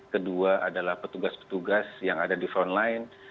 kedua adalah petugas petugas yang ada di front line